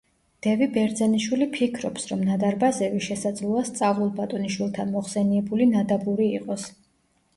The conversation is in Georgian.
დევი ბერძენიშვილი ფიქრობს, რომ ნადარბაზევი შესაძლოა სწავლულ ბატონიშვილთან მოხსენიებული ნადაბური იყოს.